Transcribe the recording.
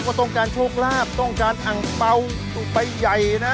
ก็ต้องการโชคลาภต้องการอังเปล่าไปใหญ่นะ